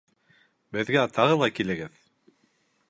Беҙгә тағы ла килегеҙ!